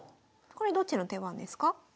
これどっちの手番ですか？